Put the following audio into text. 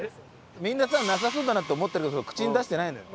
みんなさなさそうだなって思ってるけど口に出してないのよ。